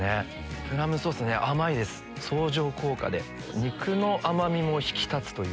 プラムソースね甘いです相乗効果で肉の甘みも引き立つ。